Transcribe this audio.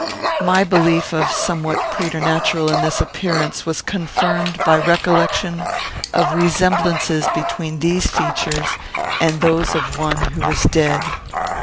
My belief of somewhat preternatural in this appearance was confirmed by recollection of resemblances between these features and those of one who was dead.